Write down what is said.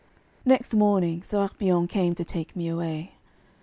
Next morning Sérapion came to take me away.